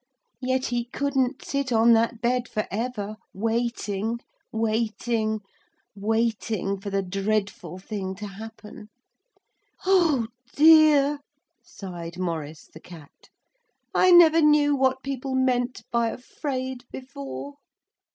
Yet he couldn't sit on that bed for ever, waiting, waiting, waiting for the dreadful thing to happen. 'Oh, dear,' sighed Maurice the cat. 'I never knew what people meant by "afraid" before.'